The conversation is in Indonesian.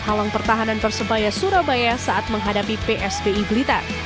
halang pertahanan persebaya surabaya saat menghadapi pspi blitar